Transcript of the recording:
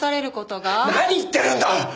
何言ってるんだ！